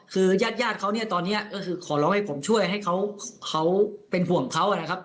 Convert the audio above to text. คือแยดเขาตอนนี้ขอร้องให้ผมช่วยให้เขาเป็นห่วงเขานะครับ